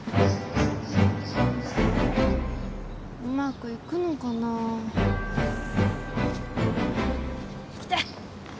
うまくいくのかな？来て！